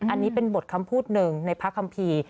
อันนี้เป็นบทคำพูดหนึ่งในพระคัมภีร์